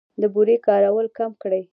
د بورې کارول کم کړئ.